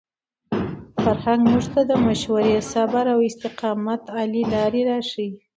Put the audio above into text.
فرهنګ موږ ته د مشورې، صبر او استقامت عالي لارې راښيي.